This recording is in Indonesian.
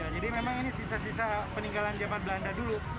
jadi memang ini sisa sisa peninggalan zaman belanda dulu